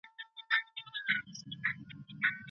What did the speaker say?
ایا واړه پلورونکي بادام اخلي؟